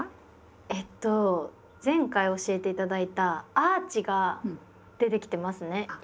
えっと前回教えて頂いたアーチが出てきてますね。